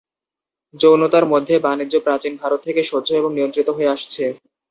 যৌনতার মধ্যে বাণিজ্য প্রাচীন ভারত থেকে সহ্য এবং নিয়ন্ত্রিত হয়ে আসছে।